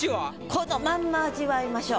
このまんま味わいましょう。